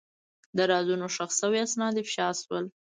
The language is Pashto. د رازونو ښخ شوي اسناد افشا شول.